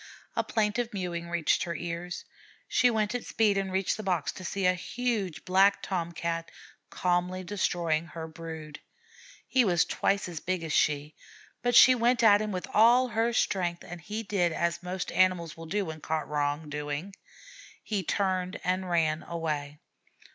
A plaintive mewing reached her ears. She went at speed and reached the box to see a huge Black Tom cat calmly destroying her brood. He was twice as big as she, but she went at him with all her strength, and he did as most animals will do when caught wrong doing, he turned and ran away.